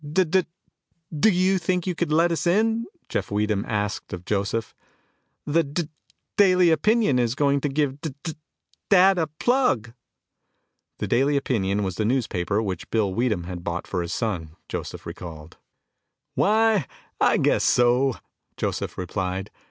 "D d do you think you could let us in?" Jeff Weedham asked of Joseph. "The D Daily Opinion is going to give D d dad a plug." The Daily Opinion was the newspaper which Bill Weedham had bought for his son, Joseph recalled. "Why, I guess so," Joseph replied.